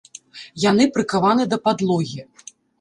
Яны прыкаваны да падлогі.